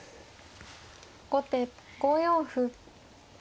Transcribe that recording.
後手５四歩。